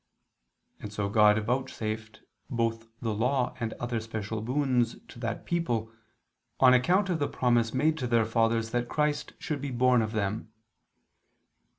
And so God vouchsafed both the Law and other special boons to that people, on account of the promised made to their fathers that Christ should be born of them.